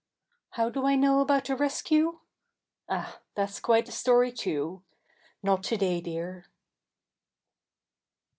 How do I know about the rescue? Ah, that's quite a story, too; not to day, Dear.